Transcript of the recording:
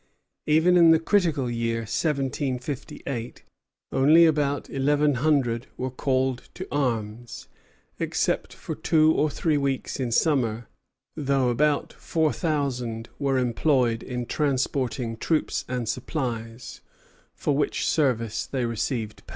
Even in the critical year 1758 only about eleven hundred were called to arms, except for two or three weeks in summer; though about four thousand were employed in transporting troops and supplies, for which service they received pay.